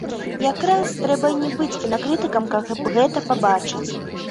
Якраз трэба не быць кінакрытыкам, каб гэта пабачыць.